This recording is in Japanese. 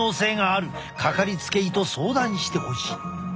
掛かりつけ医と相談してほしい。